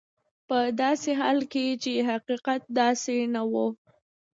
په داسې حال کې چې حقیقت داسې نه دی.